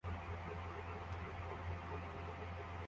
Umuhungu muto wumuhondo ushushanya